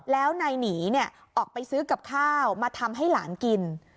แล้วนายหนีออกไปซื้อกับข้าวมาทำให้หลานกิน